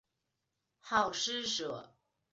好施舍。